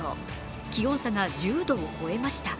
気温差が１０度を超えました。